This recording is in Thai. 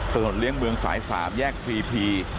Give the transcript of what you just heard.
เลี้ยงเมืองสาย๓แยกซีพี